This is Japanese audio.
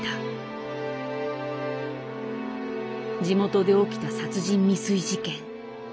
地元で起きた殺人未遂事件。